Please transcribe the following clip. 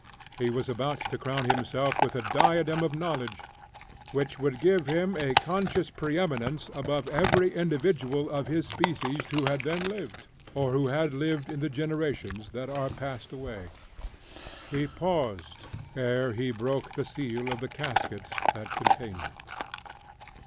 He was about to crown himself with a diadem of knowledge which would give him a conscious preëminence above every individual of his species who then lived or who had lived in the generations that are passed away. He paused ere he broke the seal of the casket that contained it."